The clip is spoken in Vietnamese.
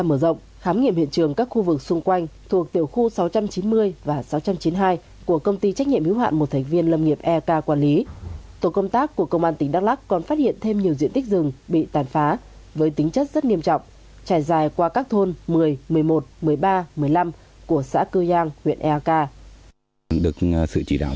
trong trăm mở rộng khám nghiệm hiện trường các khu vực xung quanh thuộc tiểu khu sáu trăm chín mươi và sáu trăm chín mươi hai của công ty trách nhiệm hữu hạn một thành viên lâm nghiệp eak quản lý tổ công tác của công an tỉnh đắk lắc còn phát hiện thêm nhiều diện tích rừng bị tàn phá với tính chất rất nghiêm trọng trải dài qua các thôn một mươi một mươi một một mươi ba một mươi năm của xã cư giang huyện eak